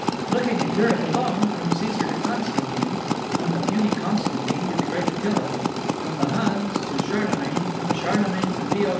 "Looking at Europe alone, from Caesar to Constantine, from the puny Constantine to the great Attila, from the Huns to Charlemagne, from Charlemagne to Leo X.